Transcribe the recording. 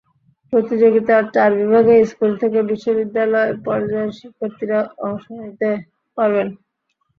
প্রতিযোগিতার চার বিভাগে স্কুল থেকে বিশ্ববিদ্যালয় পর্যায়ের শিক্ষার্থীরা অংশ নিতে পারবেন।